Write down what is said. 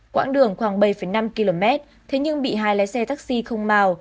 quãng đường khoảng bảy năm km thế nhưng bị hai lái xe taxi không màu